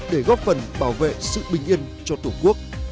để góp phần bảo vệ sự bình yên cho tổ quốc